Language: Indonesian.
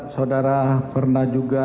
saudara pernah juga